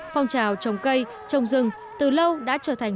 phong trào trồng cây trồng rừng từ lâu đã trở thành